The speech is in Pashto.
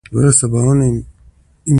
ځانونه تر سپین بولدکه ورسوه.